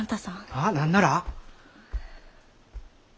ああ何なら？